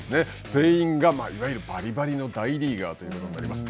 全員が、いわゆるバリバリの大リーガーということになります。